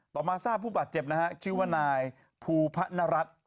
มาทราบผู้บาดเจ็บนะฮะชื่อว่านายภูพะนรัฐ